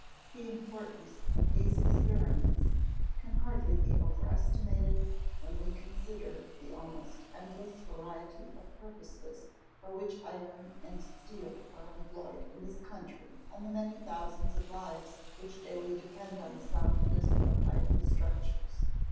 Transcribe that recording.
The importance of these experiments can hardly be overestimated when we consider the almost endless variety of purposes for which iron and steel are employed in this country and the many thousands of lives which daily depend on the soundness of iron structures.